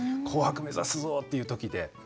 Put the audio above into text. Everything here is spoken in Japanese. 「紅白」目指すぞっていう時で。